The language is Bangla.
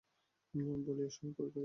বলিয়া শয়ন করিতে গেলেন।